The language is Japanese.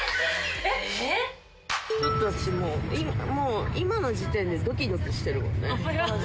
ちょっと私もう今の時点でドキドキしてるもんね